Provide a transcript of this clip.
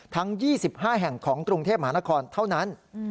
ทั้ง๒๕แห่งของกรุงเทพมหานครเท่านั้น